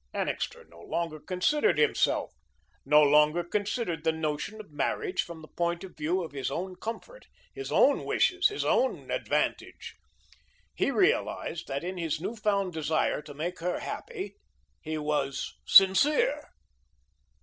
Annixter no longer considered himself; no longer considered the notion of marriage from the point of view of his own comfort, his own wishes, his own advantage. He realised that in his newfound desire to make her happy, he was sincere.